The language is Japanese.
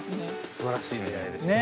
すばらしい出会いですね。